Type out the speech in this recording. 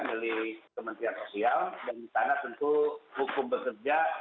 dari kementerian sosial dan di sana tentu hukum bekerja